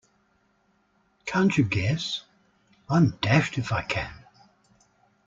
'Can't you guess?' 'I'm dashed if I can.'